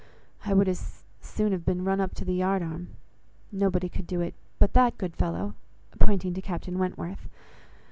I would as soon have been run up to the yard arm. Nobody could do it, but that good fellow" (pointing to Captain Wentworth.)